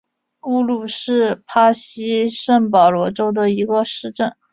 乌鲁是巴西圣保罗州的一个市镇。